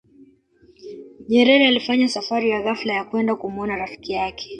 nyerere alifanya safari ya ghafla ya kwenda kumuona rafiki yake